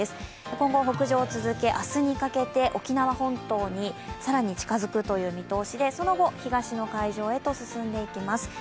今後、北上を続け、明日にかけ沖縄本島に更に近づく見通しでその後、東の海上へと進んでいきます。